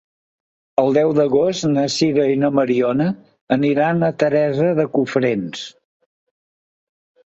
El deu d'agost na Sira i na Mariona aniran a Teresa de Cofrents.